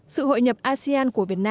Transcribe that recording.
sự hội nhập asean của việt nam